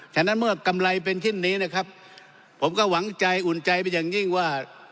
ฉะนั้นเมื่อกำไรเป็นเช่นนี้นะครับผมก็หวังใจอุ่นใจเป็นอย่างยิ่งว่า